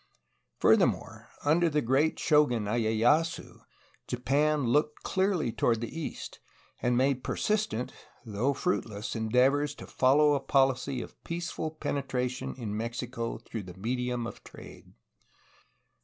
Furthermore, under the great shogun lyeyasu, Japan looked clearly toward the east, and made persistent, though fruitless, endeavors to follow a policy of peaceful penetration in Mexico through the medium of trade.